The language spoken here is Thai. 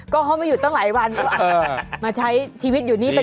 ก็เขามาอยู่ตั้งหลายวันมาใช้ชีวิตอยู่นี่เป็น